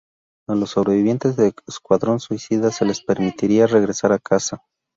A los sobrevivientes del Escuadrón Suicida se les permitiría regresar a casa.